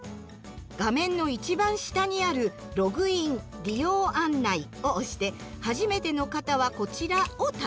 画面の一番下にある「ログイン・利用案内」を押して「はじめての方はこちら」をタッチ。